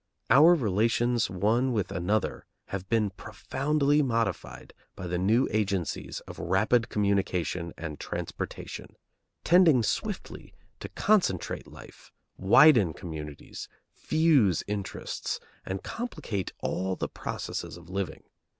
Our relations one with another have been profoundly modified by the new agencies of rapid communication and transportation, tending swiftly to concentrate life, widen communities, fuse interests, and complicate all the processes of living.